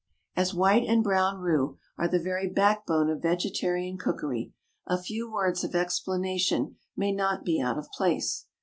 As white and brown roux are the very backbone of vegetarian cookery a few words of explanation may not be out of place.